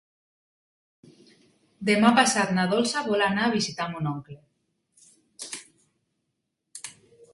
Demà passat na Dolça vol anar a visitar mon oncle.